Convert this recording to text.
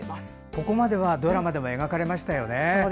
ここまではドラマでも描かれましたよね。